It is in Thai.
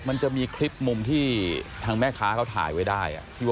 มันจะมีคลิปมุมที่ทางแม่ค้าเขาถ่ายไว้ได้